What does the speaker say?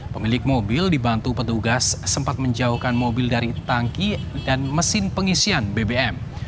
pemilik mobil dibantu petugas sempat menjauhkan mobil dari tangki dan mesin pengisian bbm